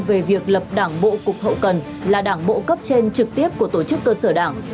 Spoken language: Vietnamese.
về việc lập đảng bộ cục hậu cần là đảng bộ cấp trên trực tiếp của tổ chức cơ sở đảng